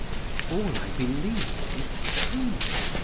All I believed is true!